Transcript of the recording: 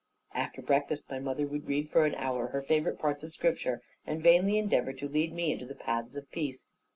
After breakfast, my mother would read for an hour her favourite parts of Scripture, and vainly endeavour to lead me into the paths of peace.